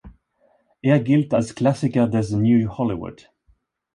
Er gilt als Klassiker des „New Hollywood“.